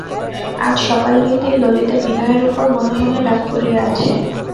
আজ সকাল হইতেই ললিতা বিনয়ের উপর মনে মনে রাগ করিয়া আছে।